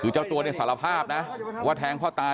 เจ้าตัวเน่นธรรมภาพนะว่าแทงพ่อตา